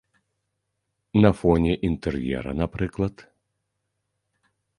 На фоне інтэр'ера, напрыклад.